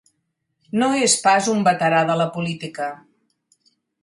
No és pas un veterà de la política.